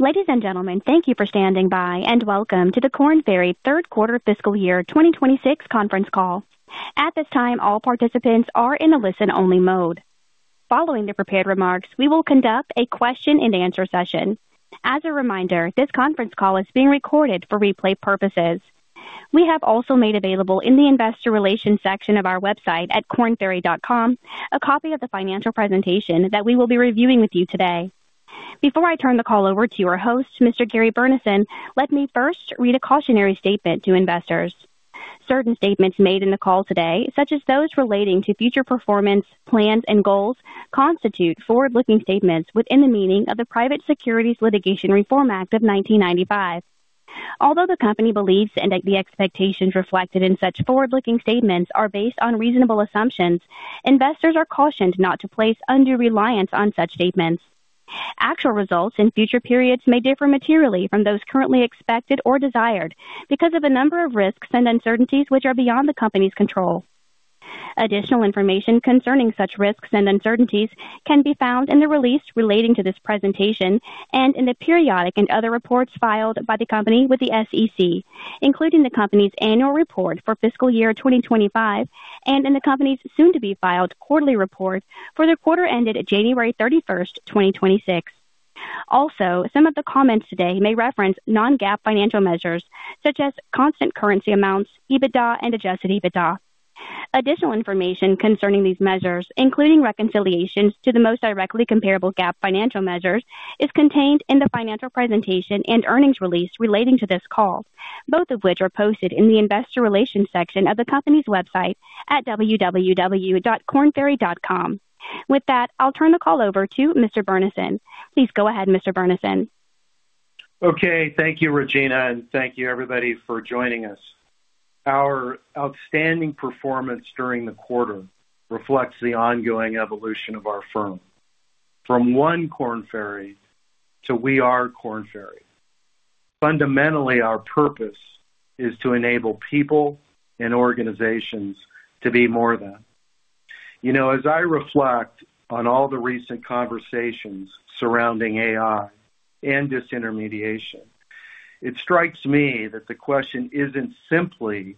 Ladies and gentlemen, thank you for standing by. Welcome to the Korn Ferry third quarter fiscal year 2026 conference call. At this time, all participants are in a listen-only mode. Following the prepared remarks, we will conduct a question-and-answer session. As a reminder, this conference call is being recorded for replay purposes. We have also made available in the investor relations section of our website at kornferry.com a copy of the financial presentation that we will be reviewing with you today. Before I turn the call over to our host, Mr. Gary Burnison, let me first read a cautionary statement to investors. Certain statements made in the call today, such as those relating to future performance, plans, and goals, constitute forward-looking statements within the meaning of the Private Securities Litigation Reform Act of 1995. Although the company believes that the expectations reflected in such forward-looking statements are based on reasonable assumptions, investors are cautioned not to place undue reliance on such statements. Actual results in future periods may differ materially from those currently expected or desired because of a number of risks and uncertainties which are beyond the company's control. Additional information concerning such risks and uncertainties can be found in the release relating to this presentation and in the periodic and other reports filed by the company with the SEC, including the company's annual report for fiscal year 2025 and in the company's soon-to-be-filed quarterly report for the quarter ended January 31st, 2026. Some of the comments today may reference non-GAAP financial measures such as constant currency amounts, EBITDA, and adjusted EBITDA. Additional information concerning these measures, including reconciliations to the most directly comparable GAAP financial measures, is contained in the financial presentation and earnings release relating to this call, both of which are posted in the investor relations section of the company's website at www.kornferry.com. With that, I'll turn the call over to Mr. Burnison. Please go ahead, Mr. Burnison. Okay. Thank you, Regina, and thank you everybody for joining us. Our outstanding performance during the quarter reflects the ongoing evolution of our firm from One Korn Ferry to We Are Korn Ferry. Fundamentally, our purpose is to enable people and organizations to be more than. You know, as I reflect on all the recent conversations surrounding AI and disintermediation, it strikes me that the question isn't simply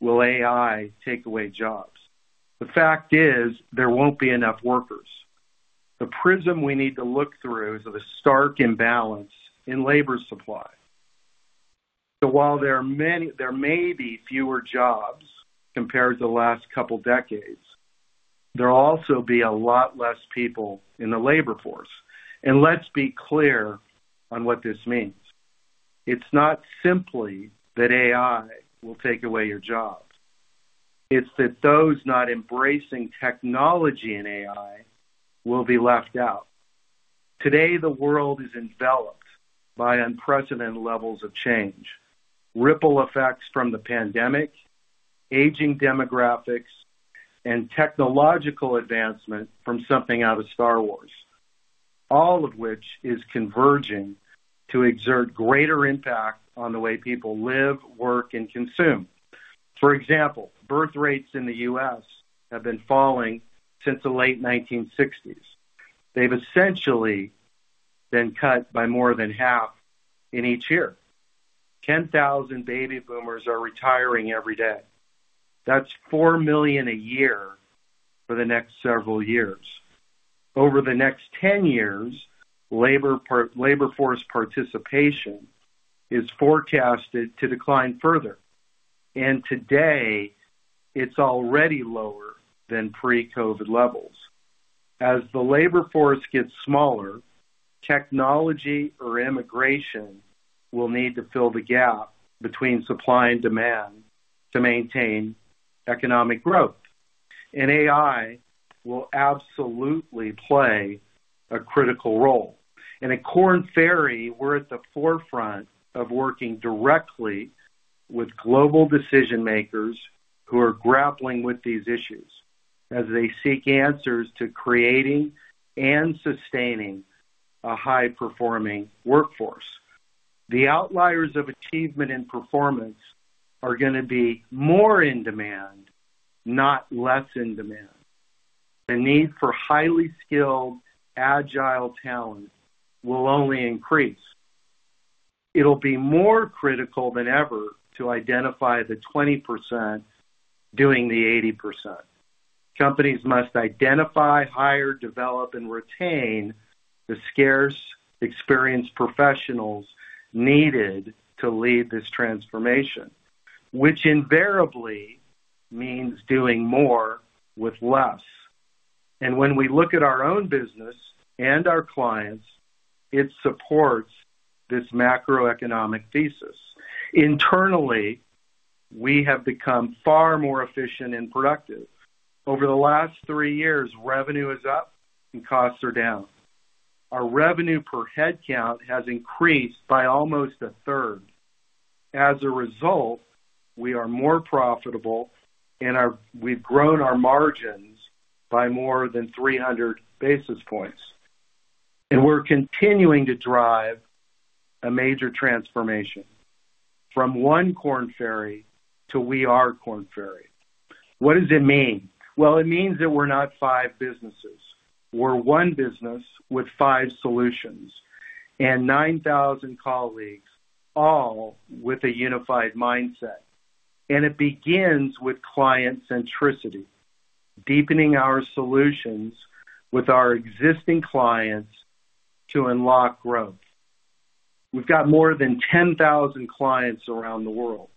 will AI take away jobs? The fact is there won't be enough workers. The prism we need to look through is of a stark imbalance in labor supply. While there may be fewer jobs compared to the last couple decades, there'll also be a lot less people in the labor force. Let's be clear on what this means. It's not simply that AI will take away your jobs. It's that those not embracing technology and AI will be left out. Today, the world is enveloped by unprecedented levels of change. Ripple effects from the pandemic, aging demographics, and technological advancement from something out of Star Wars, all of which is converging to exert greater impact on the way people live, work, and consume. For example, birth rates in the U.S. have been falling since the late 1960s. They've essentially been cut by more than half in each year. 10,000 baby boomers are retiring every day. That's four million a year for the next several years. Over the next 10 years, labor force participation is forecasted to decline further. Today, it's already lower than pre-COVID levels. As the labor force gets smaller, technology or immigration will need to fill the gap between supply and demand to maintain economic growth. AI will absolutely play a critical role. At Korn Ferry, we're at the forefront of working directly with global decision-makers who are grappling with these issues as they seek answers to creating and sustaining a high-performing workforce. The outliers of achievement and performance are going to be more in demand, not less in demand. The need for highly skilled, agile talent will only increase. It'll be more critical than ever to identify the 20% doing the 80%. Companies must identify, hire, develop, and retain the scarce, experienced professionals needed to lead this transformation, which invariably means doing more with less. When we look at our own business and our clients, it supports this macroeconomic thesis. Internally, we have become far more efficient and productive. Over the last three years, revenue is up and costs are down. Our revenue per head count has increased by almost a third. As a result, we are more profitable and we've grown our margins by more than 300 basis points. We're continuing to drive a major transformation. From One Korn Ferry to We Are Korn Ferry. What does it mean? Well, it means that we're not five businesses. We're one business with five solutions and 9,000 colleagues, all with a unified mindset. It begins with client centricity, deepening our solutions with our existing clients to unlock growth. We've got more than 10,000 clients around the world,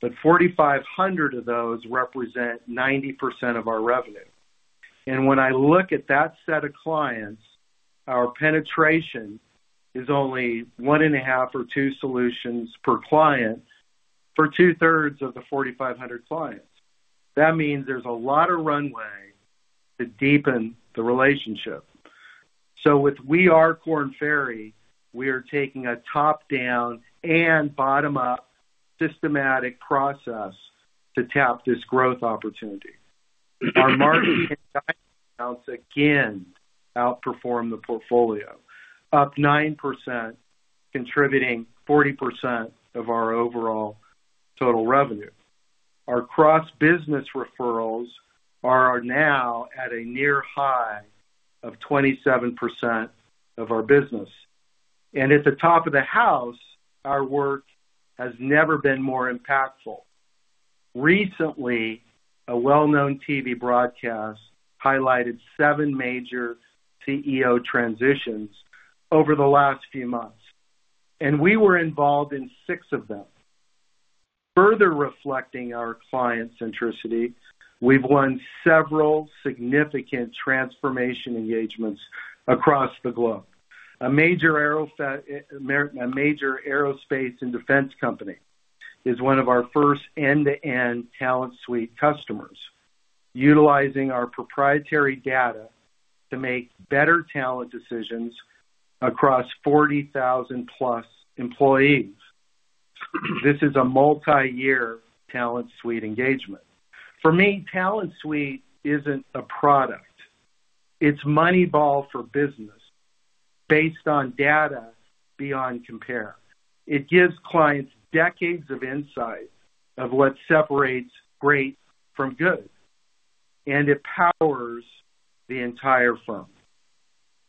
but 4,500 of those represent 90% of our revenue. When I look at that set of clients, our penetration is only one and a half or two solutions per client for two-thirds of the 4,500 clients. That means there's a lot of runway to deepen the relationship. With We Are Korn Ferry, we are taking a top-down and bottom-up systematic process to tap this growth opportunity. Our market accounts again outperform the portfolio, up 9%, contributing 40% of our overall total revenue. Our cross-business referrals are now at a near high of 27% of our business. At the top of the house, our work has never been more impactful. Recently, a well-known TV broadcast highlighted seven major CEO transitions over the last few months, and we were involved in six of them. Further reflecting our client centricity, we've won several significant transformation engagements across the globe. A major aerospace and defense company is one of our first end-to-end Talent Suite customers, utilizing our proprietary data to make better talent decisions across 40,000 plus employees. This is a multi-year Talent Suite engagement. For me, Talent Suite isn't a product. It's Moneyball for business based on data beyond compare. It gives clients decades of insight of what separates great from good. It powers the entire firm.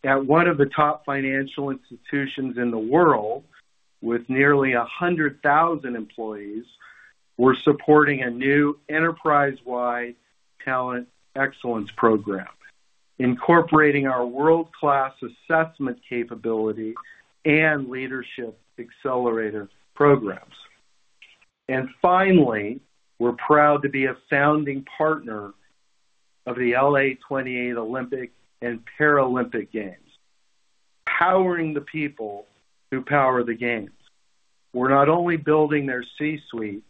At one of the top financial institutions in the world, with nearly 100,000 employees, we're supporting a new enterprise-wide talent excellence program, incorporating our world-class assessment capability and Leadership Accelerator programs. Finally, we're proud to be a founding partner of the LA28 Olympic & Paralympic Games, powering the people who power the games. We're not only building their C-suite,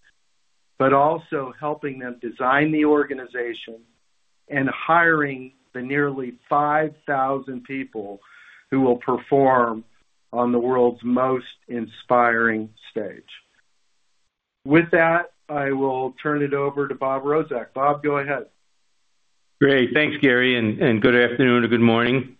but also helping them design the organization and hiring the nearly 5,000 people who will perform on the world's most inspiring stage. With that, I will turn it over to Bob Rozek. Bob, go ahead. Great. Thanks, Gary, and good afternoon or good morning.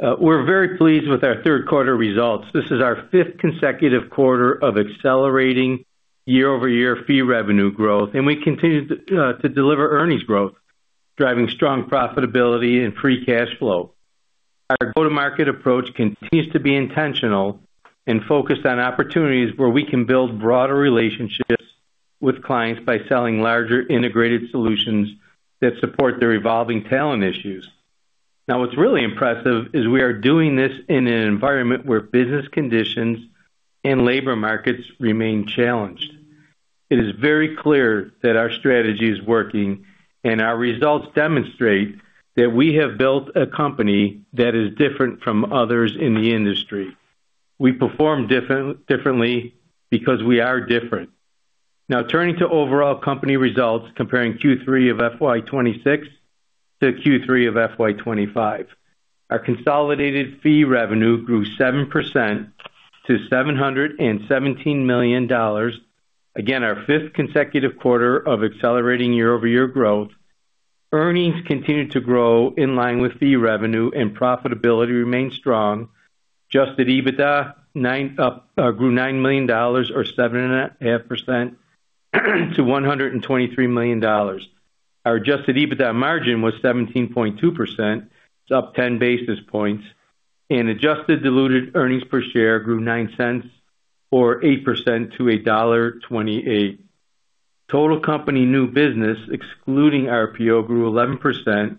We're very pleased with our third quarter results. This is our fifth consecutive quarter of accelerating YoY fee revenue growth, and we continue to deliver earnings growth, driving strong profitability and free cash flow. Our go-to-market approach continues to be intentional and focused on opportunities where we can build broader relationships with clients by selling larger integrated solutions that support their evolving talent issues. What's really impressive is we are doing this in an environment where business conditions and labor markets remain challenged. It is very clear that our strategy is working, and our results demonstrate that we have built a company that is different from others in the industry. We perform differently because we are different. Turning to overall company results comparing Q3 of FY 2026 to Q3 of FY 2025. Our consolidated fee revenue grew 7% to $717 million. Again, our fifth consecutive quarter of accelerating YoY growth. Earnings continued to grow in line with fee revenue, and profitability remained strong. Adjusted EBITDA grew $9 million or 7.5% to $123 million. Our adjusted EBITDA margin was 17.2%, it's up 10 basis points, and adjusted diluted earnings per share grew $0.09 or 8% to $1.28. Total company new business, excluding RPO, grew 11%,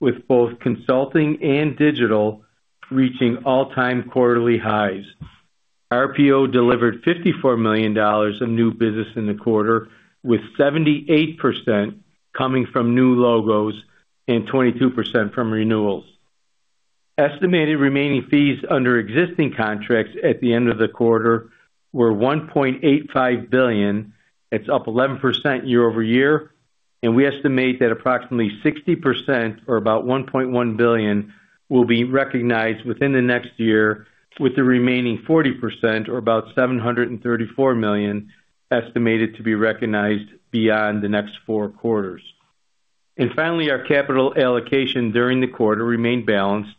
with both consulting and digital reaching all-time quarterly highs. RPO delivered $54 million of new business in the quarter, with 78% coming from new logos and 22% from renewals. Estimated remaining fees under existing contracts at the end of the quarter were $1.85 billion. That's up 11% YoY, we estimate that approximately 60% or about $1.1 billion will be recognized within the next year, with the remaining 40% or about $734 million estimated to be recognized beyond the next four quarters. Finally, our capital allocation during the quarter remained balanced.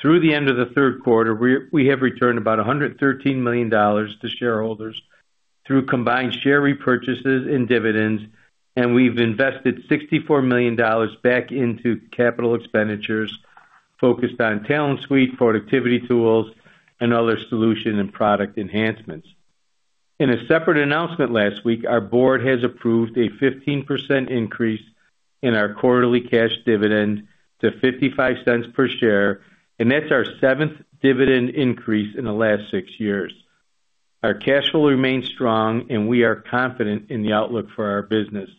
Through the end of the third quarter, we have returned about $113 million to shareholders through combined share repurchases and dividends, we've invested $64 million back into capital expenditures focused on Talent Suite, productivity tools, and other solution and product enhancements. In a separate announcement last week, our board has approved a 15% increase in our quarterly cash dividend to $0.55 per share. That's our seventh dividend increase in the last six years. Our cash flow remains strong. We are confident in the outlook for our business.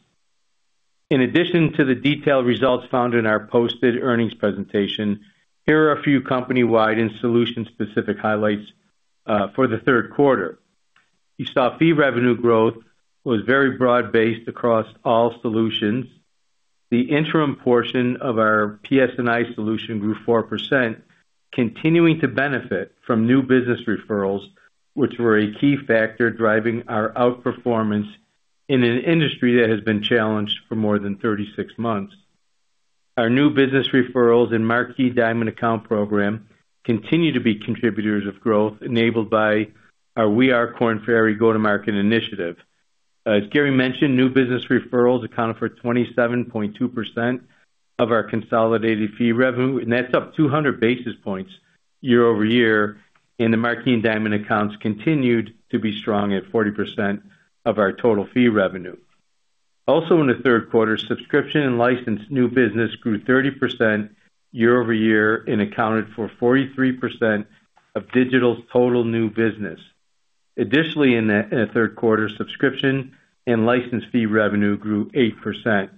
In addition to the detailed results found in our posted earnings presentation, here are a few company-wide and solution-specific highlights for the third quarter. You saw fee revenue growth was very broad-based across all solutions. The interim portion of our PS&I solution grew 4%, continuing to benefit from new business referrals, which were a key factor driving our outperformance in an industry that has been challenged for more than 36 months. Our new business referrals and Marquee Diamond Account Program continue to be contributors of growth enabled by our We Are Korn Ferry go-to-market initiative. As Gary mentioned, new business referrals accounted for 27.2% of our consolidated fee revenue, and that's up 200 basis points YoY, and the Marquee and Diamond Accounts continued to be strong at 40% of our total fee revenue. Also in the third quarter, subscription and licensed new business grew 30% YoY and accounted for 43% of Digital's total new business. Additionally, in the third quarter, subscription and license fee revenue grew 8%.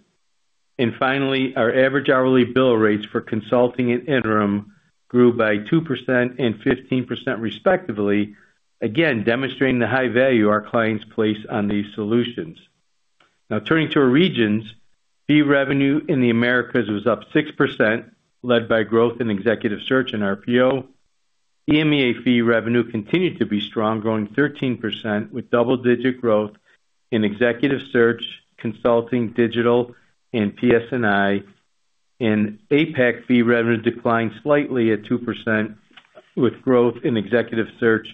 Finally, our average hourly bill rates for consulting and interim grew by 2% and 15% respectively. Again, demonstrating the high value our clients place on these solutions. Now turning to our regions. Fee revenue in the Americas was up 6%, led by growth in executive search and RPO. EMEA fee revenue continued to be strong, growing 13% with double-digit growth in executive search, consulting, digital and PS&I. APAC fee revenue declined slightly at 2% with growth in executive search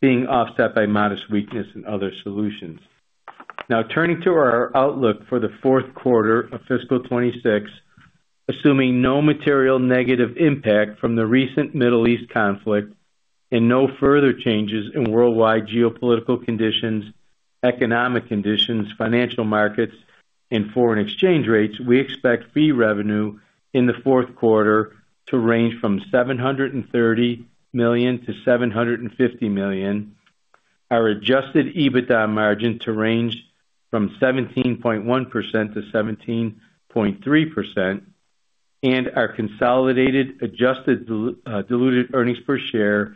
being offset by modest weakness in other solutions. Now turning to our outlook for the fourth quarter of fiscal 2026. Assuming no material negative impact from the recent Middle East conflict and no further changes in worldwide geopolitical conditions, economic conditions, financial markets, and foreign exchange rates, we expect fee revenue in the fourth quarter to range from $730 million-$750 million. Our adjusted EBITDA margin to range from 17.1%-17.3%, and our consolidated adjusted diluted earnings per share,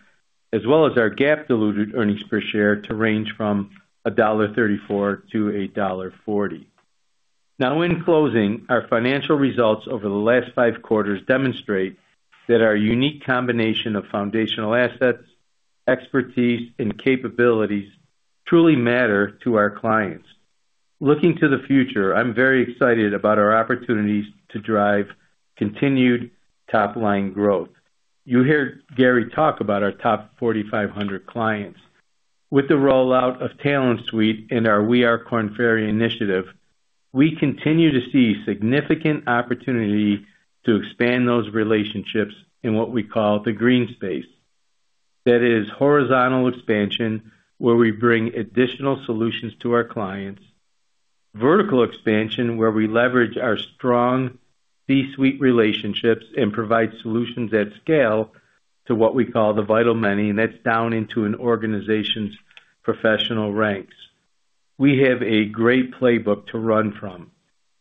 as well as our GAAP diluted earnings per share, to range from $1.34-$1.40. In closing, our financial results over the last five quarters demonstrate that our unique combination of foundational assets, expertise, and capabilities truly matter to our clients. Looking to the future, I'm very excited about our opportunities to drive continued top-line growth. You heard Gary talk about our top 4,500 clients. With the rollout of Talent Suite and our We Are Korn Ferry initiative, we continue to see significant opportunity to expand those relationships in what we call the green space. That is horizontal expansion, where we bring additional solutions to our clients. Vertical expansion, where we leverage our strong C-suite relationships and provide solutions at scale to what we call the vital many, that's down into an organization's professional ranks. We have a great playbook to run from.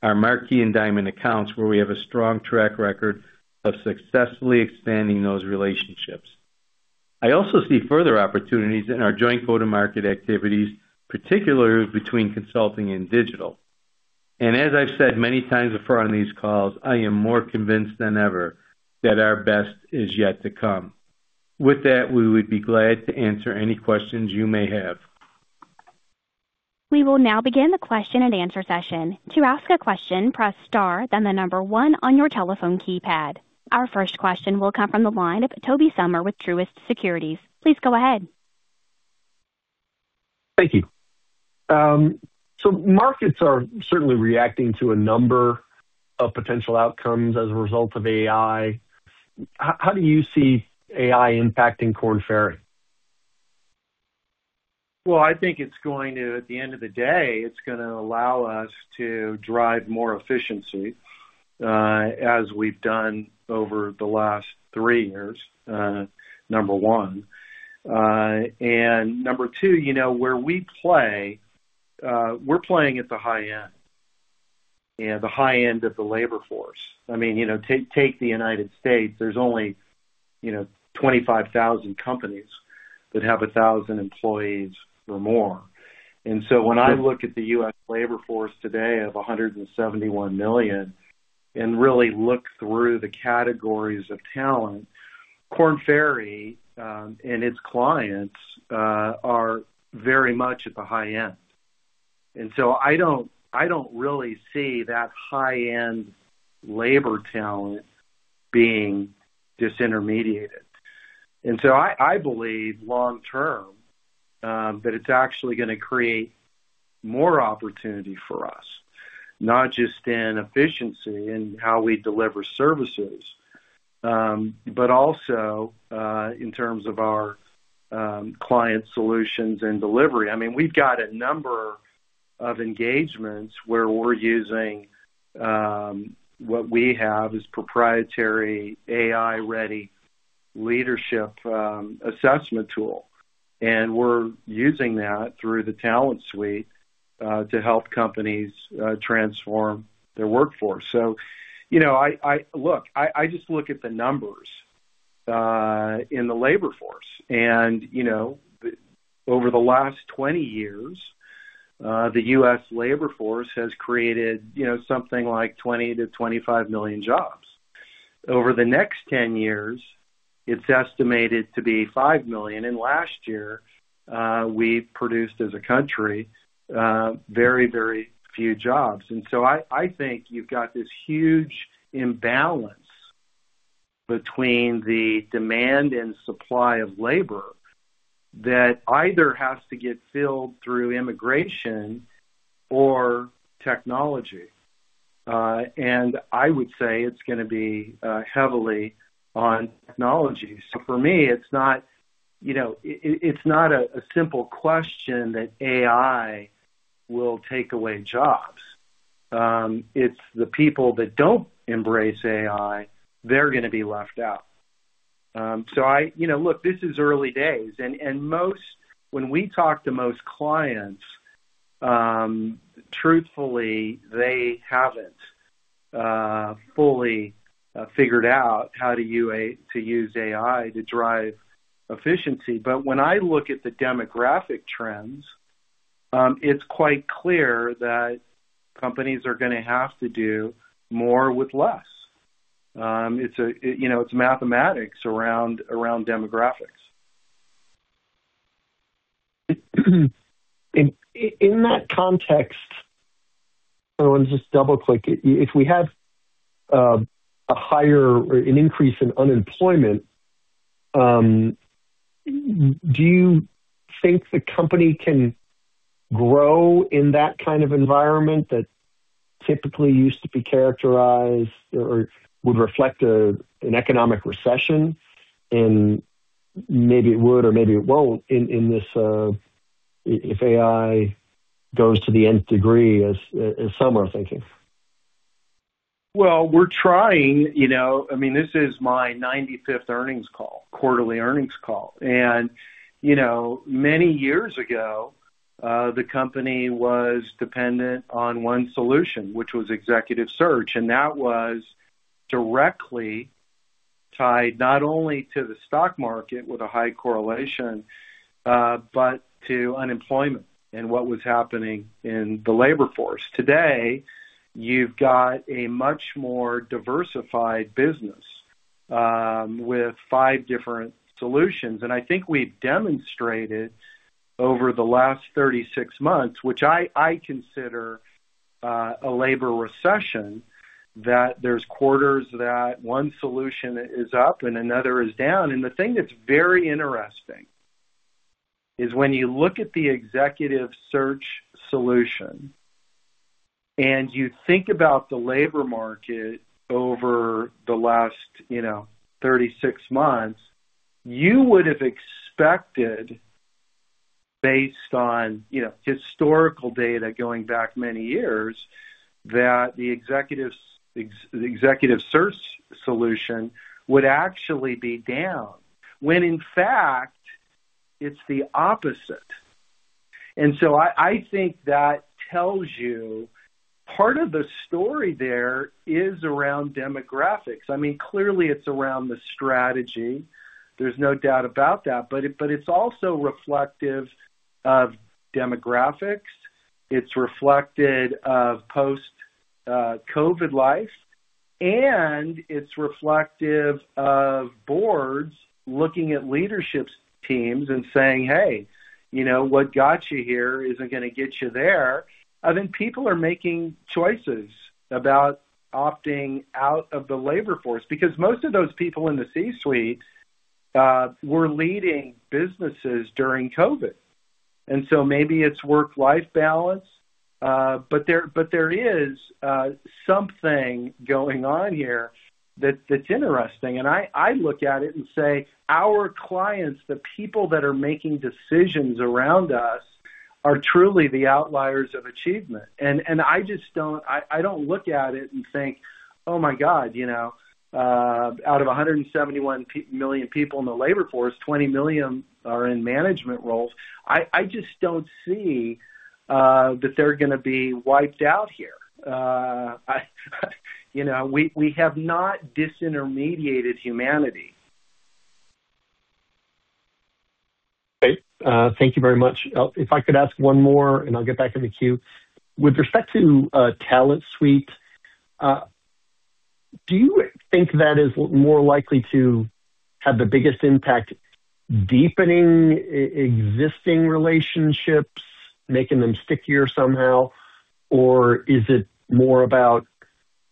Our Marquee and Diamond accounts where we have a strong track record of successfully expanding those relationships. I also see further opportunities in our joint go-to-market activities, particularly between consulting and digital. As I've said many times before on these calls, I am more convinced than ever that our best is yet to come. With that, we would be glad to answer any questions you may have. We will now begin the question and answer session. To ask a question, press star then the number one on your telephone keypad. Our first question will come from the line of Tobey Sommer with Truist Securities. Please go ahead. Thank you. Markets are certainly reacting to a number of potential outcomes as a result of AI. How do you see AI impacting Korn Ferry? Well, I think it's going to. At the end of the day, it's gonna allow us to drive more efficiency, as we've done over the last three years, number one. Number two, you know, where we play, we're playing at the high end. You know, the high end of the labor force. I mean, you know, take the United States, there's only, you know, 25,000 companies that have 1,000 employees or more. When I look at the U.S. labor force today of 171 million and really look through the categories of talent. Korn Ferry, and its clients, are very much at the high end. I don't, I don't really see that high-end labor talent being disintermediated. I believe long term, that it's actually gonna create more opportunity for us, not just in efficiency in how we deliver services, but also, in terms of our client solutions and delivery. I mean, we've got a number of engagements where we're using what we have as proprietary AI-ready leadership assessment tool, and we're using that through the Talent Suite to help companies transform their workforce. You know, I just look at the numbers in the labor force and, you know, over the last 20 years, the U.S. labor force has created, you know, something like $20 million-$25 million jobs. Over the next 10 years, it's estimated to be five million. Last year, we produced as a country, very, very few jobs. I think you've got this huge imbalance between the demand and supply of labor that either has to get filled through immigration or technology. I would say it's gonna be heavily on technology. For me, it's not, you know, it's not a simple question that AI will take away jobs. It's the people that don't embrace AI, they're gonna be left out. You know, look, this is early days. When we talk to most clients, truthfully, they haven't fully figured out how to use AI to drive efficiency. When I look at the demographic trends, it's quite clear that companies are gonna have to do more with less. It's, you know, it's mathematics around demographics. In that context, I wanna just double-click. If we have a higher or an increase in unemployment, do you think the company can grow in that kind of environment that typically used to be characterized or would reflect an economic recession? Maybe it would or maybe it won't in this, if AI goes to the nth degree as some are thinking. Well, we're trying, you know. I mean, this is my 95th earnings call, quarterly earnings call. You know, many years ago, the company was dependent on one solution, which was executive search. That was directly tied not only to the stock market with a high correlation, but to unemployment and what was happening in the labor force. Today, you've got a much more diversified business, with five different solutions. I think we've demonstrated over the last 36 months, which I consider, a labor recession, that there's quarters that one solution is up and another is down. The thing that's very interesting is when you look at the executive search solution and you think about the labor market over the last, you know, 36 months, you would have expected based on, you know, historical data going back many years, that the executive search solution would actually be down, when in fact, it's the opposite. I think that tells you part of the story there is around demographics. I mean, clearly it's around the strategy. There's no doubt about that. But it's also reflective of demographics. It's reflected of post COVID life, and it's reflective of boards looking at leadership's teams and saying, "Hey, you know, what got you here isn't gonna get you there." People are making choices about opting out of the labor force. Because most of those people in the C-suite were leading businesses during COVID. Maybe it's work-life balance. But there is something going on here that's interesting. I look at it and say, our clients, the people that are making decisions around us are truly the outliers of achievement. I just don't... I don't look at it and think, oh my God, you know, out of 171 million people in the labor force, 20 million are in management roles. I just don't see that they're gonna be wiped out here. I, you know, we have not disintermediated humanity. Thank you very much. If I could ask one more, and I'll get back in the queue. With respect to Talent Suite, do you think that is more likely to have the biggest impact deepening existing relationships, making them stickier somehow? Or is it more about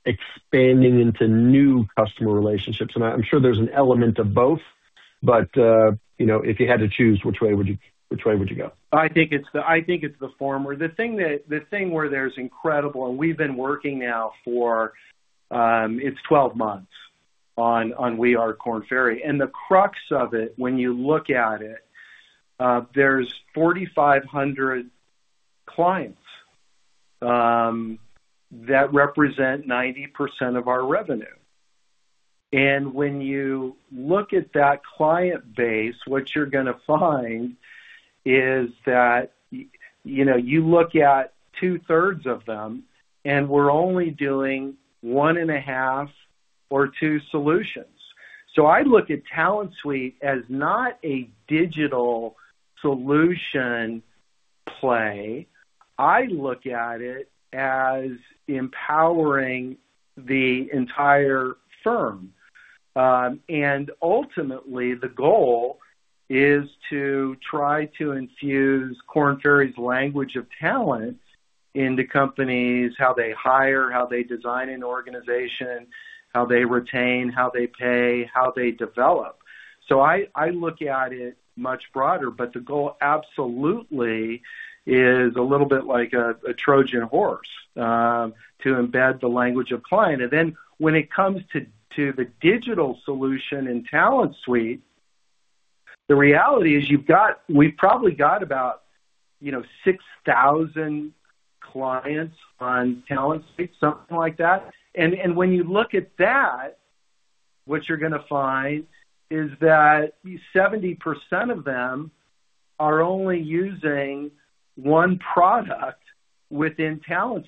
expanding into new customer relationships? I'm sure there's an element of both, but, you know, if you had to choose, which way would you go? I think it's the former. The thing where there's incredible. We've been working now for 12 months on We Are Korn Ferry. The crux of it, when you look at it, there's 4,500 clients that represent 90% of our revenue. When you look at that client base, what you're gonna find is that, you know, you look at 2/3 of them, and we're only doing 1.5 or two solutions. I look at Talent Suite as not a digital solution play. I look at it as empowering the entire firm. Ultimately, the goal is to try to infuse Korn Ferry's language of talent into companies, how they hire, how they design an organization, how they retain, how they pay, how they develop. I look at it much broader, but the goal absolutely is a little bit like a Trojan horse to embed the language of client. When it comes to the digital solution in Talent Suite, the reality is we've probably got about, you know, 6,000 clients on Talent Suite, something like that. When you look at that, what you're gonna find is that 70% of them are only using one product within Talent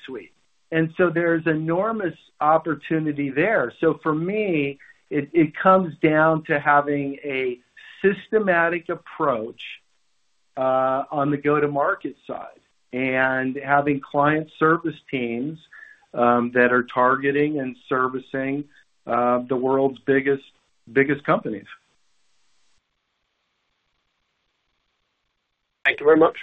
Suite. There's enormous opportunity there. For me, it comes down to having a systematic approach on the go-to-market side and having client service teams that are targeting and servicing the world's biggest companies. Thank you very much.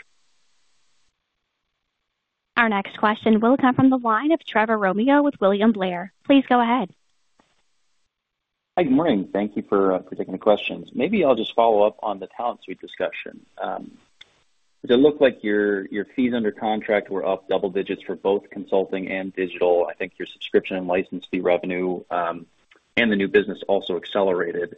Our next question will come from the line of Trevor Romeo with William Blair. Please go ahead. Hi. Good morning. Thank you for taking the questions. Maybe I'll just follow up on the Talent Suite discussion. Does it look like your fees under contract were up double digits for both consulting and digital? I think your subscription and license fee revenue and the new business also accelerated.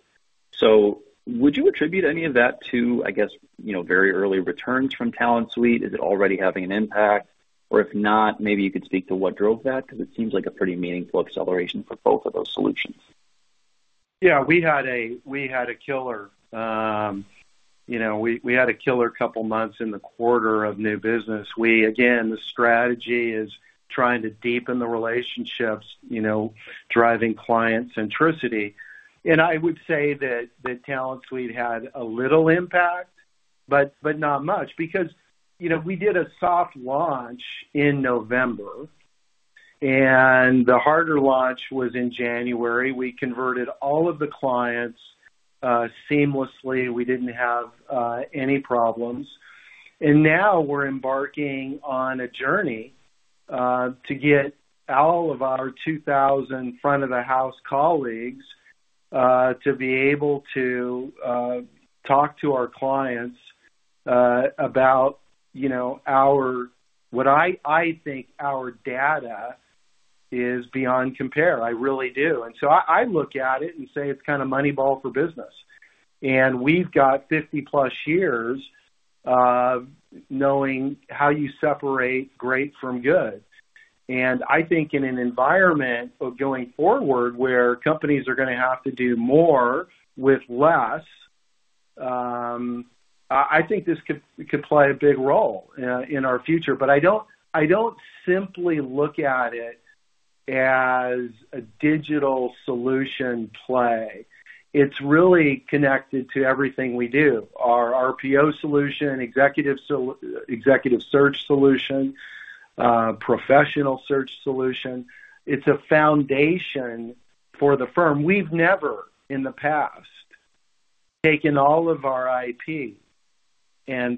Would you attribute any of that to, I guess, you know, very early returns from Talent Suite? Is it already having an impact? Or if not, maybe you could speak to what drove that, because it seems like a pretty meaningful acceleration for both of those solutions. We had a killer, you know, we had a killer couple months in the quarter of new business. Again, the strategy is trying to deepen the relationships, you know, driving client centricity. I would say that Talent Suite had a little impact, but not much. You know, we did a soft launch in November, the harder launch was in January. We converted all of the clients seamlessly. We didn't have any problems. Now we're embarking on a journey to get all of our 2,000 front of the house colleagues to be able to talk to our clients about, you know, what I think our data is beyond compare. I really do. I look at it and say it's kind of Moneyball for business. We've got 50-plus years of knowing how you separate great from good. I think in an environment of going forward, where companies are gonna have to do more with less, I think this could play a big role in our future. I don't simply look at it as a digital solution play. It's really connected to everything we do. Our RPO solution, executive search solution, professional search solution. It's a foundation for the firm. We've never in the past taken all of our IP and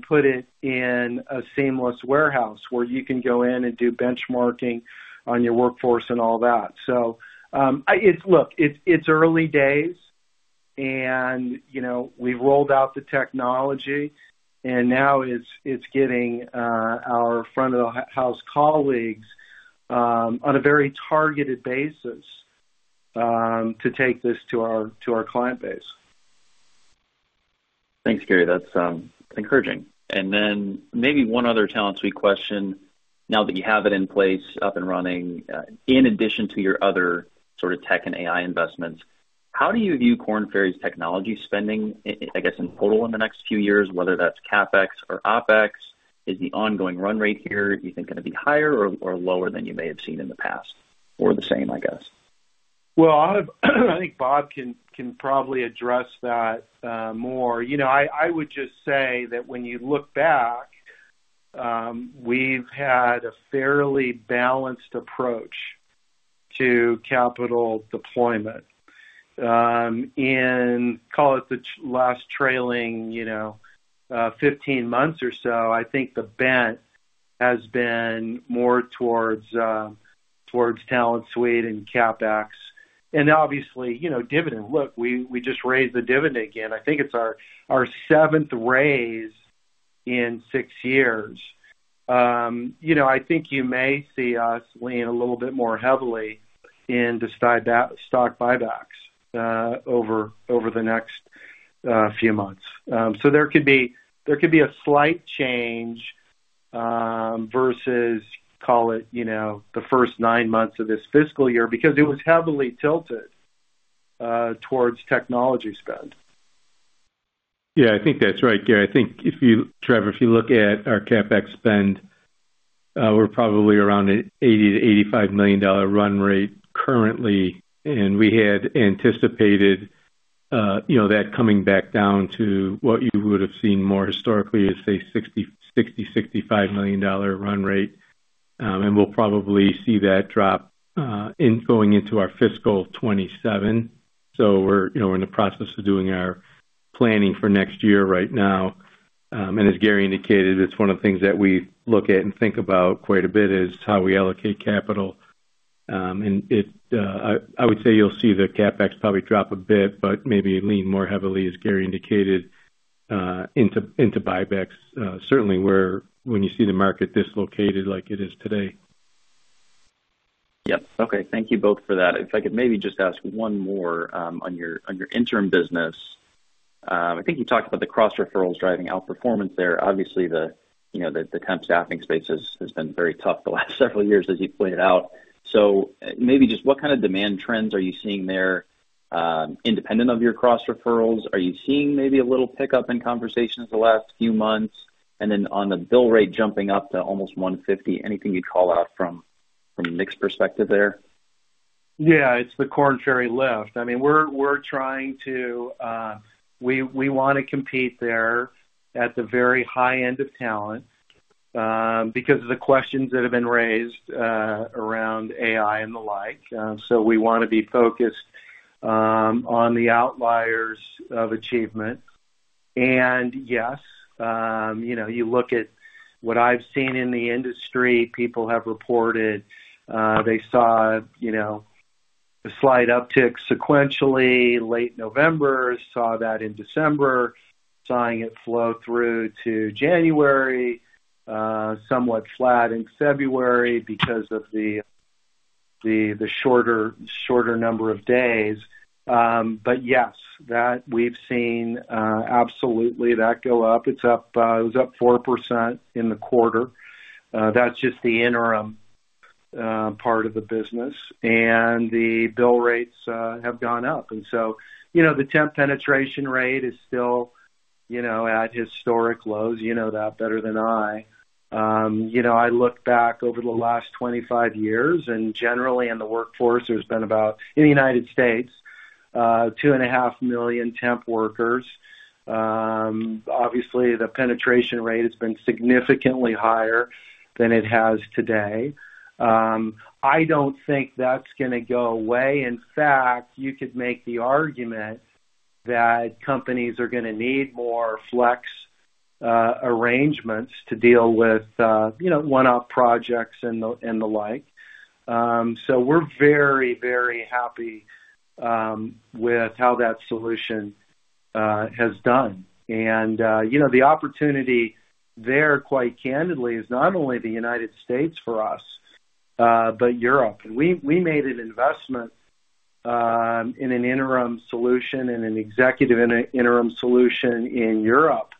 put it in a seamless warehouse where you can go in and do benchmarking on your workforce and all that. Look, it's early days and, you know, we've rolled out the technology and now it's getting, our front of the house colleagues, on a very targeted basis, to take this to our client base. Thanks, Gary. That's encouraging. Then maybe one other Talent Suite question. Now that you have it in place, up and running, in addition to your other sort of tech and AI investments, how do you view Korn Ferry's technology spending, I guess in total in the next few years, whether that's CapEx or OpEx? Is the ongoing run rate here, do you think gonna be higher or lower than you may have seen in the past or the same, I guess? I think Bob can probably address that more. You know, I would just say that when you look back, we've had a fairly balanced approach to capital deployment. In call it the last trailing, you know, 15 months or so, I think the bent has been more towards Talent Suite and CapEx. Obviously, you know, dividend. Look, we just raised the dividend again. I think it's our seventh raise in six years. You know, I think you may see us lean a little bit more heavily in stock buybacks over the next few months. There could be a slight change versus call it, you know, the first nine months of this fiscal year because it was heavily tilted towards technology spend. I think that's right, Gary. I think Trevor, if you look at our CapEx spend, we're probably around $80 million-$85 million run rate currently, we had anticipated, you know, that coming back down to what you would have seen more historically is say $60 million-$65 million run rate. We'll probably see that drop in going into our fiscal 2027. We're, you know, in the process of doing our planning for next year right now. As Gary indicated, it's one of the things that we look at and think about quite a bit, is how we allocate capital. It, I would say you'll see the CapEx probably drop a bit, but maybe lean more heavily, as Gary indicated, into buybacks. Certainly when you see the market dislocated like it is today. Yep. Okay. Thank you both for that. If I could maybe just ask one more, on your, on your interim business. I think you talked about the cross referrals driving outperformance there. Obviously, the, you know, the temp staffing space has been very tough the last several years, as you pointed out. Maybe just what kind of demand trends are you seeing there, independent of your cross referrals? Are you seeing maybe a little pickup in conversations the last few months? Then on the bill rate jumping up to almost $150, anything you'd call out from a mix perspective there? Yeah. It's the Korn Ferry lift. I mean, we wanna compete there at the very high end of talent because of the questions that have been raised around AI and the like. We wanna be focused on the outliers of achievement. Yes, you know, you look at what I've seen in the industry, people have reported, they saw, you know, a slight uptick sequentially late November, saw that in December, seeing it flow through to January, somewhat flat in February because of the shorter number of days. Yes, that we've seen absolutely that go up. It's up, it was up 4% in the quarter. That's just the interim part of the business. The bill rates have gone up. You know, the temp penetration rate is still, you know, at historic lows. You know that better than I. You know, I look back over the last 25 years, and generally in the workforce, there's been about, in the U.S., 2.5 million temp workers. Obviously, the penetration rate has been significantly higher than it has today. I don't think that's gonna go away. In fact, you could make the argument that companies are gonna need more flex arrangements to deal with, you know, one-off projects and the, and the like. We're very, very happy with how that solution has done. You know, the opportunity there, quite candidly, is not only the U.S. for us, but Europe. We made an investment in an interim solution and an executive interim solution in Europe,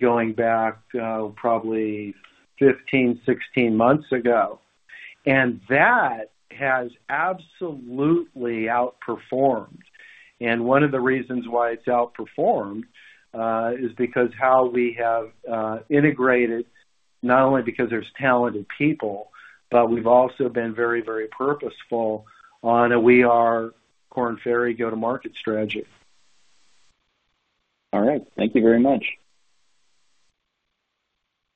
going back, probably 15, 16 months ago. That has absolutely outperformed. One of the reasons why it's outperformed is because how we have integrated, not only because there's talented people, but we've also been very, very purposeful on a We Are Korn Ferry go-to-market strategy. All right. Thank you very much.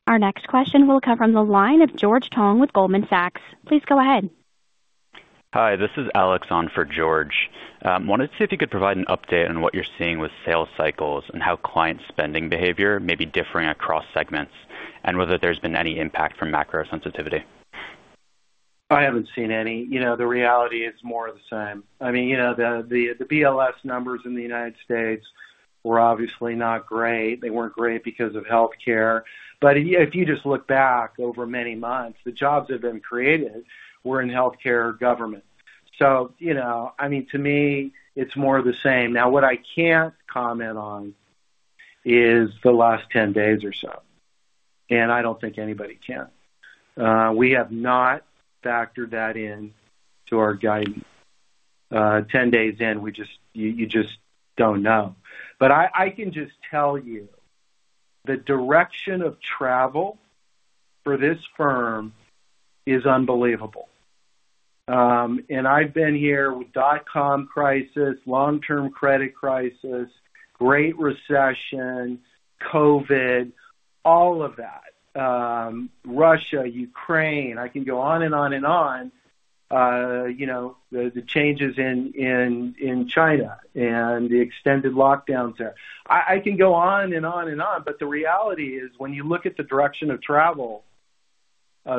Our next question will come from the line of George Tong with Goldman Sachs. Please go ahead. Hi, this is Alex on for George. Wanted to see if you could provide an update on what you're seeing with sales cycles and how client spending behavior may be differing across segments, and whether there's been any impact from macro sensitivity? I haven't seen any. You know, the reality is more of the same. I mean, you know, the BLS numbers in the United States were obviously not great. They weren't great because of healthcare. If you just look back over many months, the jobs that have been created were in healthcare or government. You know, I mean, to me, it's more of the same. Now, what I can't comment on is the last 10 days or so, and I don't think anybody can. We have not factored that in to our guidance. 10 days in, you just don't know. I can just tell you the direction of travel for this firm is unbelievable. I've been here with dot-com crisis, long-term credit crisis, great recession, COVID, all of that. Russia, Ukraine. I can go on and on and on. You know, the changes in China and the extended lockdowns there. I can go on and on and on, but the reality is, when you look at the direction of travel,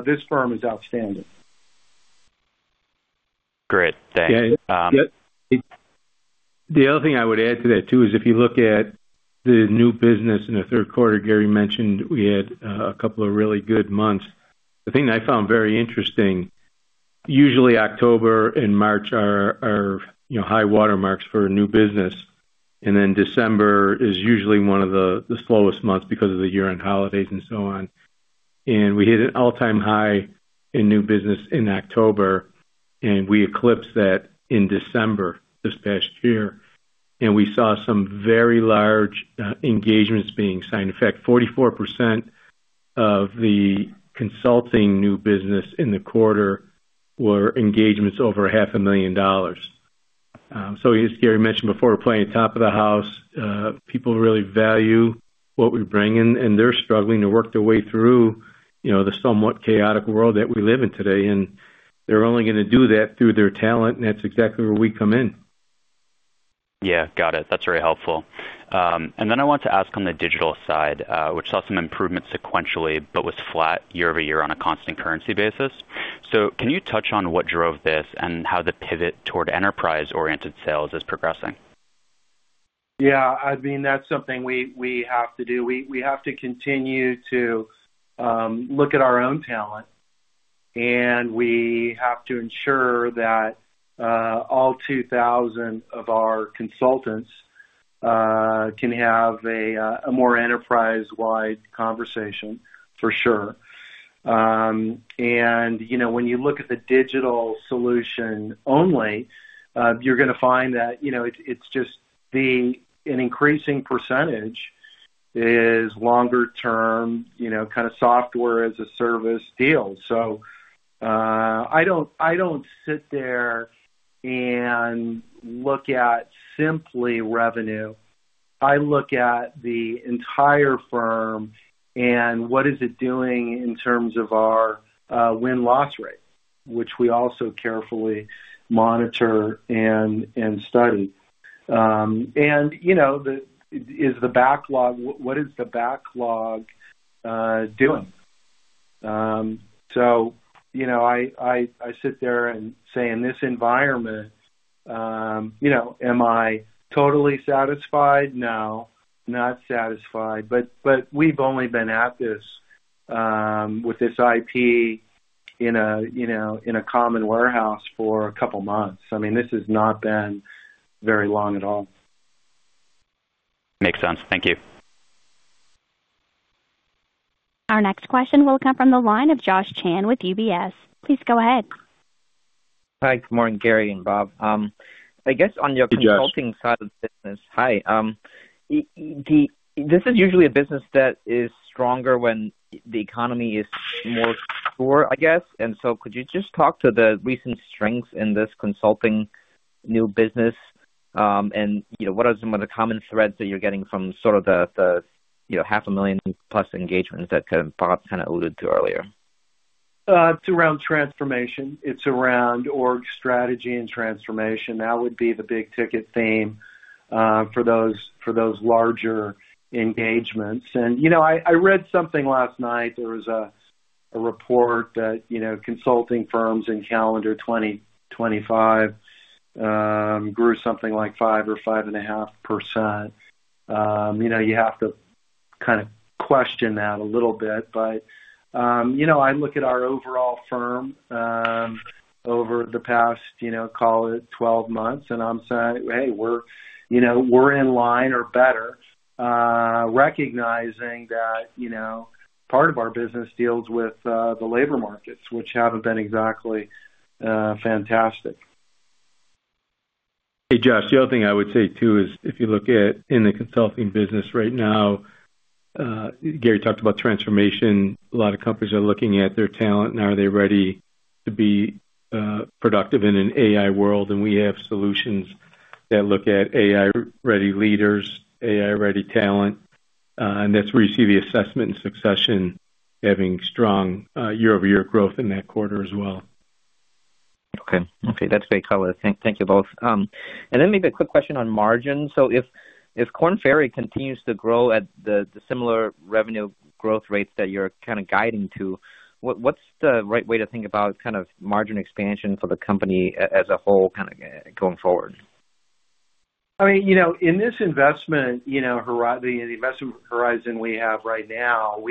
this firm is outstanding. Great. Thanks. Yeah. The other thing I would add to that, too, is if you look at the new business in the third quarter, Gary mentioned we had, a couple of really good months. The thing that I found very interesting, usually October and March are, you know, high water marks for new business, and then December is usually one of the slowest months because of the year-end holidays and so on. We hit an all-time high in new business in October, and we eclipsed that in December this past year. We saw some very large, engagements being signed. In fact, 44% of the consulting new business in the quarter were engagements over half a million dollars. As Gary mentioned before, we're playing top of the house. People really value what we bring in, and they're struggling to work their way through, you know, the somewhat chaotic world that we live in today. They're only gonna do that through their talent, and that's exactly where we come in. Yeah. Got it. That's very helpful. I want to ask on the digital side, which saw some improvement sequentially but was flat YoY on a constant currency basis. Can you touch on what drove this and how the pivot toward enterprise-oriented sales is progressing? Yeah, I mean, that's something we have to do. We have to continue to look at our own talent, and we have to ensure that all 2,000 of our consultants can have a more enterprise-wide conversation for sure. You know, when you look at the digital solution only, you're gonna find that, you know, it's just an increasing percentage is longer term, you know, kind of software as a service deal. I don't sit there and look at simply revenue. I look at the entire firm and what is it doing in terms of our win-loss rate, which we also carefully monitor and study. You know, what is the backlog doing? You know, I sit there and say, in this environment, you know, am I totally satisfied? No, not satisfied. But we've only been at this, with this IP in a, you know, in a common warehouse for a couple months. I mean, this has not been very long at all. Makes sense. Thank you. Our next question will come from the line of Josh Chan with UBS. Please go ahead. Hi. Good morning, Gary and Bob. I guess on your- Hey, Josh. -consulting side of the business. Hi. This is usually a business that is stronger when the economy is more sure, I guess. Could you just talk to the recent strengths in this consulting new business? You know, what are some of the common threads that you're getting from sort of the, you know, half a million plus engagements that kind of Bob kind of alluded to earlier? It's around transformation. It's around org strategy and transformation. That would be the big ticket theme for those larger engagements. You know, I read something last night. There was a report that, you know, consulting firms in calendar 2025 grew something like 5% or 5.5%. You know, you have to kind of question that a little bit. You know, I look at our overall firm over the past, you know, call it 12 months, and I'm saying, "Hey, we're, you know, we're in line or better," recognizing that, you know, part of our business deals with the labor markets, which haven't been exactly fantastic. Hey, Josh. The other thing I would say too is if you look at in the consulting business right now, Gary talked about transformation. A lot of companies are looking at their talent and are they ready to be productive in an AI world, and we have solutions that look at AI-ready leaders, AI-ready talent, and that's where you see the assessment and succession having strong, YoY growth in that quarter as well. Okay, that's very clear. Thank you both. Then maybe a quick question on margin. If Korn Ferry continues to grow at the similar revenue growth rates that you're kind of guiding to, what's the right way to think about kind of margin expansion for the company as a whole kind of going forward? I mean, you know, in this investment, you know, the investment horizon we have right now.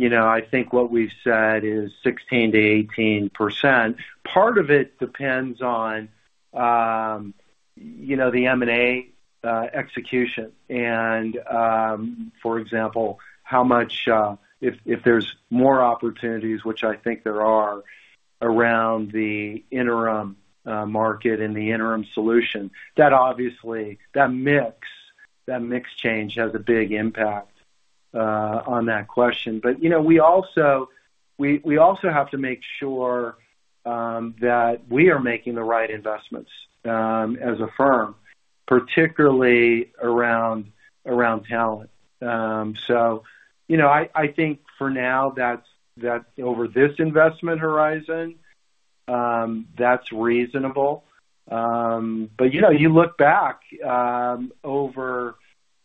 You know, I think what we've said is 16%-18%. Part of it depends on, you know, the M&A execution and, for example, how much, if there's more opportunities, which I think there are, around the interim market and the interim solution. That mix change has a big impact on that question. You know, we also, we also have to make sure that we are making the right investments as a firm, particularly around talent. You know, I think for now that's over this investment horizon, that's reasonable. You know, you look back, over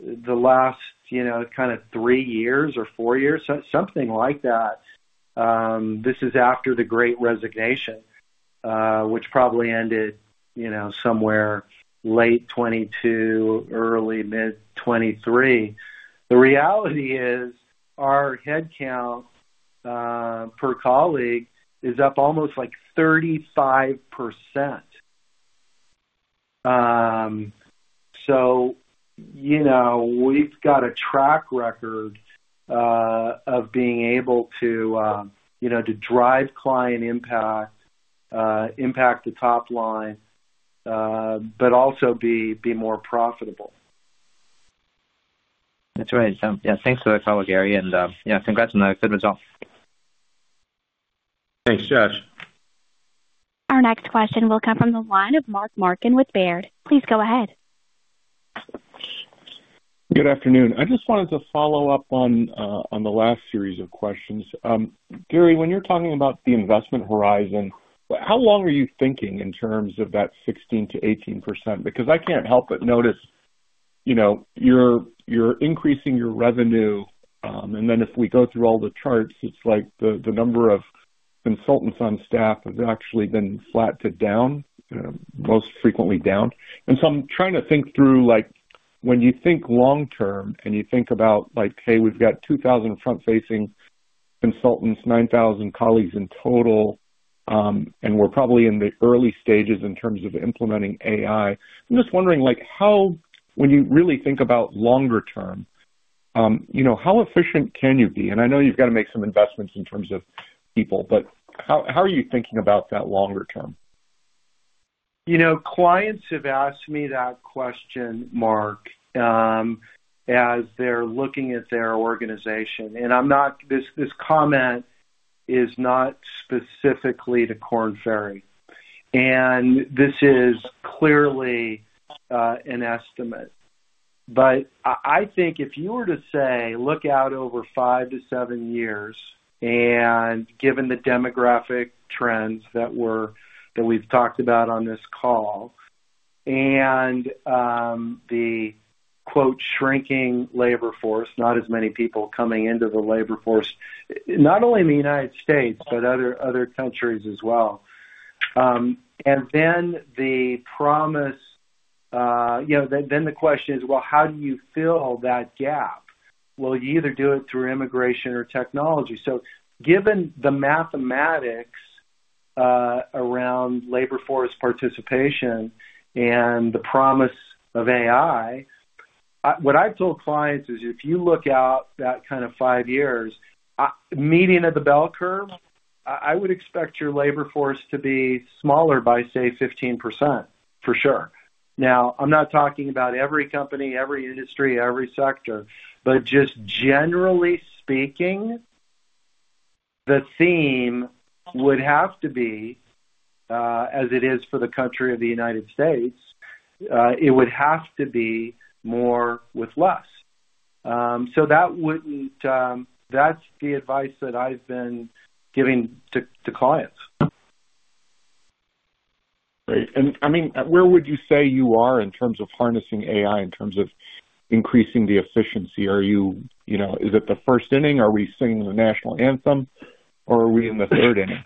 the last, you know, kind of three years or four years, this is after the great resignation, which probably ended, you know, somewhere late 2022, early mid 2023. The reality is our headcount, per colleague is up almost like 35%. You know, we've got a track record of being able to, you know, to drive client impact the top line, but also be more profitable. That's right. Yeah, thanks for that follow, Gary. Yeah, congrats on that good result. Thanks, Josh. Our next question will come from the line of Mark Marcon with Baird. Please go ahead. Good afternoon. I just wanted to follow up on the last series of questions. Gary, when you're talking about the investment horizon, how long are you thinking in terms of that 16%-18%? I can't help but notice, you know, you're increasing your revenue. If we go through all the charts, it's like the number of consultants on staff has actually been flat to down, most frequently down. I'm trying to think through, like, when you think long term and you think about like, hey, we've got 2,000 front-facing consultants, 9,000 colleagues in total, and we're probably in the early stages in terms of implementing AI. I'm just wondering, like, when you really think about longer term, you know, how efficient can you be? I know you've got to make some investments in terms of people, but how are you thinking about that longer term? You know, clients have asked me that question, Mark, as they're looking at their organization. This comment is not specifically to Korn Ferry, and this is clearly an estimate. I think if you were to, say, look out over five-seven years and given the demographic trends that we've talked about on this call and the quote, shrinking labor force, not as many people coming into the labor force, not only in the United States, but other countries as well. Then the promise, you know, then the question is, well, how do you fill that gap? Well, you either do it through immigration or technology. Given the mathematics, around labor force participation and the promise of AI, what I've told clients is if you look out that kind of five years, median of the bell curve, I would expect your labor force to be smaller by, say, 15% for sure. Now, I'm not talking about every company, every industry, every sector. Just generally speaking, the theme would have to be, as it is for the country of the United States, it would have to be more with less. That's the advice that I've been giving to clients. Great. I mean, where would you say you are in terms of harnessing AI, in terms of increasing the efficiency? Are you know, is it the first inning? Are we singing the national anthem or are we in the third inning?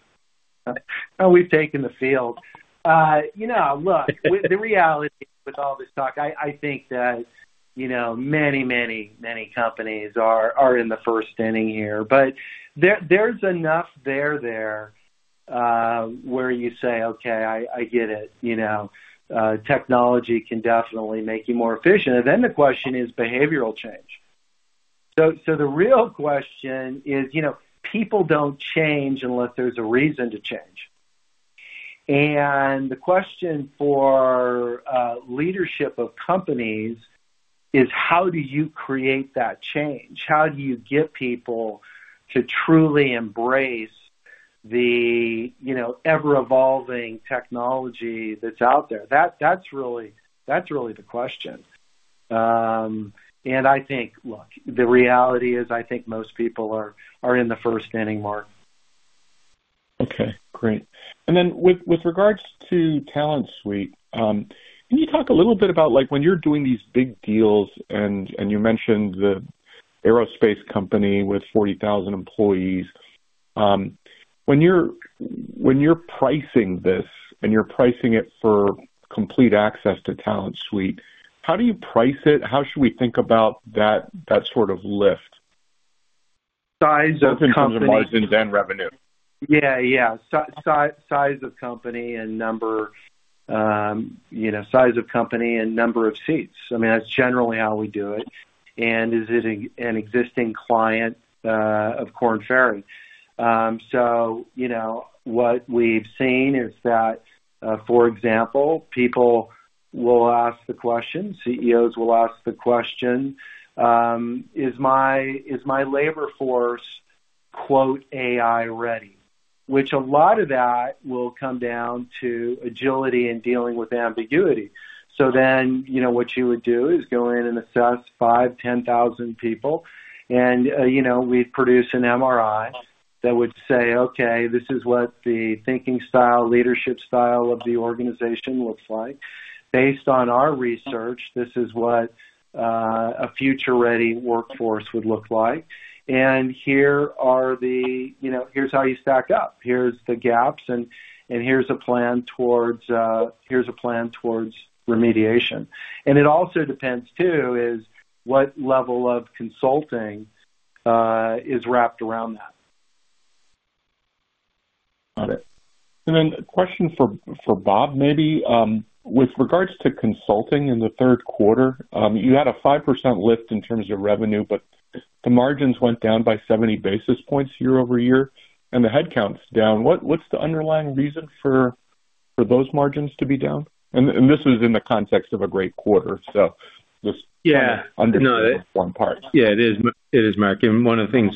Oh, we've taken the field. you know, the reality with all this talk, I think that, you know, many, many, many companies are in the first inning here. There's enough there, where you say, "Okay, I get it, you know. technology can definitely make you more efficient." Then the question is behavioral change. The real question is, you know, people don't change unless there's a reason to change. The question for leadership of companies is how do you create that change? How do you get people to truly embrace the, you know, ever-evolving technology that's out there? That's really the question. I think, look, the reality is, I think most people are in the first inning, Mark. Okay, great. With regards to Talent Suite, can you talk a little bit about like when you're doing these big deals and you mentioned the aerospace company with 40,000 employees. When you're pricing this and you're pricing it for complete access to Talent Suite, how do you price it? How should we think about that sort of lift? Size of the company. In terms of margins and revenue. Yeah, yeah. Size of company and number, you know, size of company and number of seats. I mean, that's generally how we do it. Is it an existing client of Korn Ferry? You know, what we've seen is that, for example, people will ask the question, CEOs will ask the question, "Is my, is my labor force, quote, AI ready?" Which a lot of that will come down to agility and dealing with ambiguity. You know, what you would do is go in and assess 5,000, 10,000 people. You know, we produce an MRI that would say, "Okay, this is what the thinking style, leadership style of the organization looks like. Based on our research, this is what a future-ready workforce would look like. You know, here's how you stack up. Here's the gaps and here's a plan towards, here's a plan towards remediation. It also depends too, is what level of consulting, is wrapped around that. Got it. Then a question for Bob, maybe. With regards to consulting in the third quarter, you had a 5% lift in terms of revenue, but the margins went down by 70 basis points YoY, and the headcount's down. What's the underlying reason for those margins to be down? This is in the context of a great quarter, so just. Yeah. Underperformed parts. Yeah, it is. It is, Mark. One of the things,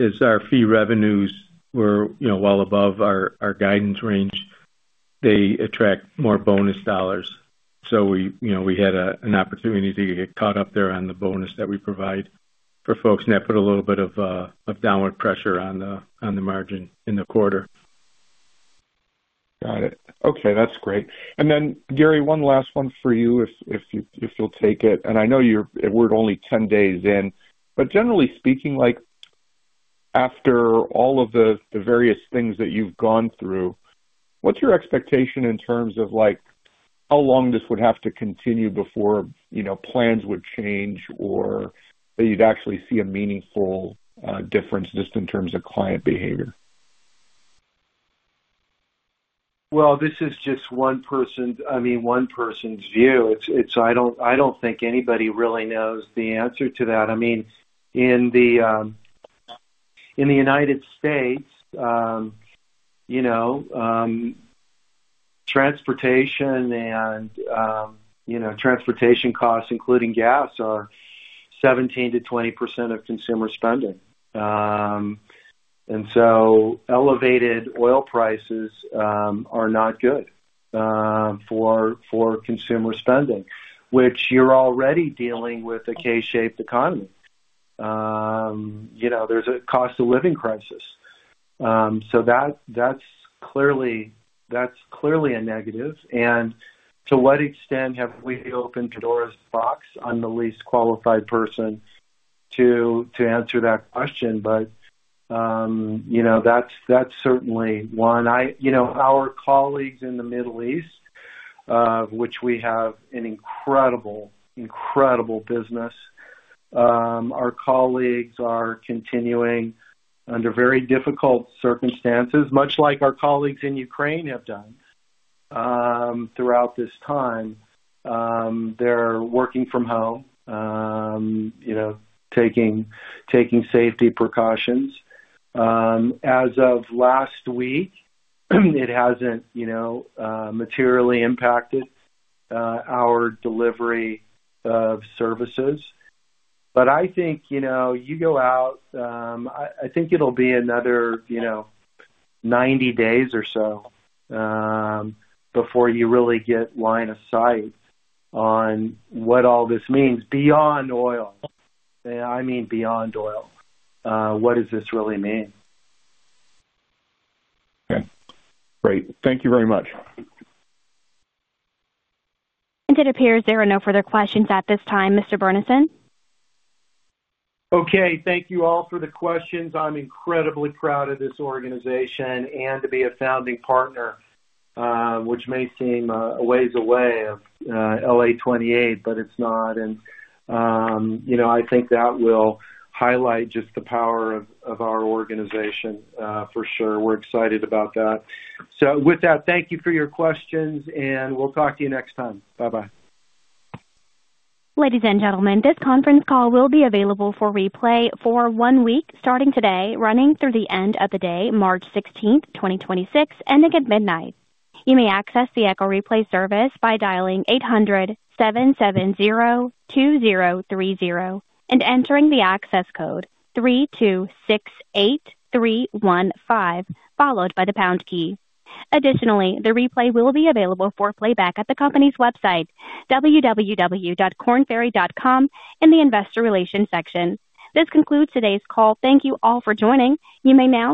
is our fee revenues were, you know, well above our guidance range. They attract more bonus dollars. We, you know, we had a, an opportunity to get caught up there on the bonus that we provide for folks, and that put a little bit of downward pressure on the, on the margin in the quarter. Got it. Okay, that's great. Gary, one last one for you if you'll take it, and I know we're only 10 days in. Generally speaking, like, after all of the various things that you've gone through, what's your expectation in terms of, like, how long this would have to continue before, you know, plans would change or that you'd actually see a meaningful difference just in terms of client behavior? Well, this is just one person's, I mean, one person's view. It's, I don't think anybody really knows the answer to that. I mean, in the United States, you know, transportation and, you know, transportation costs, including gas are 17%-20% of consumer spending. Elevated oil prices are not good for consumer spending, which you're already dealing with a K-shaped economy. You know, there's a cost of living crisis. That's clearly a negative. To what extent have we opened Pandora's box? I'm the least qualified person to answer that question. You know, that's certainly one. You know, our colleagues in the Middle East, which we have an incredible business, our colleagues are continuing under very difficult circumstances, much like our colleagues in Ukraine have done throughout this time. They're working from home, you know, taking safety precautions. As of last week, it hasn't, you know, materially impacted our delivery of services. I think, you know, you go out, I think it'll be another, you know, 90 days or so, before you really get line of sight on what all this means beyond oil. I mean, beyond oil. What does this really mean? Okay. Great. Thank you very much. It appears there are no further questions at this time, Mr. Burnison. Okay. Thank you all for the questions. I'm incredibly proud of this organization and to be a founding partner, which may seem a ways away of LA28, but it's not. You know, I think that will highlight just the power of our organization, for sure. We're excited about that. With that, thank you for your questions, and we'll talk to you next time. Bye-bye. Ladies and gentlemen, this conference call will be available for replay for one week, starting today, running through the end of the day, March 16th, 2026, ending at midnight. You may access the echo replay service by dialing 800-770-2030 and entering the access code three two six eight three one five, followed by the pound key. Additionally, the replay will be available for playback at the company's website, www.kornferry.com, in the investor relations section. This concludes today's call. Thank you all for joining. You may now disconnect.